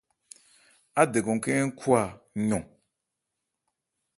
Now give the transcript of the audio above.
Ádɛgɔn khɛ́n ń khwa yɔn.